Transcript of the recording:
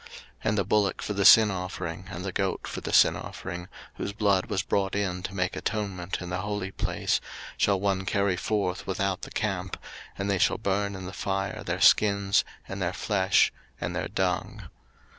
03:016:027 And the bullock for the sin offering, and the goat for the sin offering, whose blood was brought in to make atonement in the holy place, shall one carry forth without the camp; and they shall burn in the fire their skins, and their flesh, and their dung.